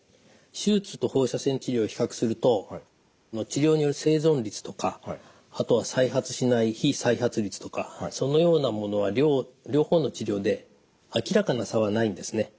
手術と放射線治療を比較すると治療による生存率とかあとは再発しない非再発率とかそのようなものは両方の治療であきらかな差はないんですね。